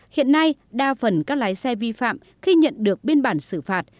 hiện nay đa phần các lái xe vi phạm khi nhận được biên bản xử phạt